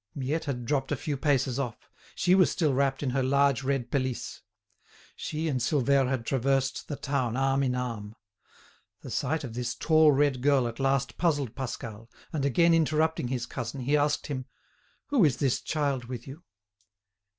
Miette had dropped a few paces off; she was still wrapped in her large red pelisse. She and Silvère had traversed the town arm in arm. The sight of this tall red girl at last puzzled Pascal, and again interrupting his cousin, he asked him: "Who is this child with you?"